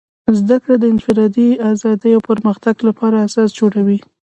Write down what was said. زدهکړه د انفرادي ازادۍ او پرمختګ لپاره اساس جوړوي.